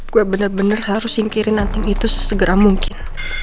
gua bener bener harus singkirin andin itu sesegera mungkin